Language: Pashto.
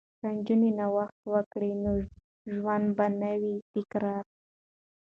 که نجونې نوښت وکړي نو ژوند به نه وي تکراري.